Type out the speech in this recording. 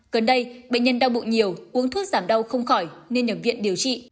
gần đây bệnh nhân đau bụng nhiều uống thuốc giảm đau không khỏi nên nhập viện điều trị